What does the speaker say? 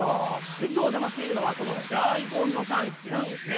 きょう、お邪魔しているのは、この大根の産地なんですね。